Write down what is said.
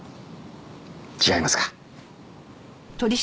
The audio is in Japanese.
違いますか？